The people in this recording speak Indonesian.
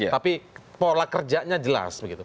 tapi pola kerjanya jelas begitu